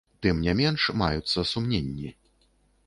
Тым не менш, маюцца сумненні.